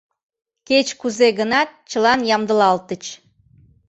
Кеч-кузе гынат, чылан ямдылалтыч.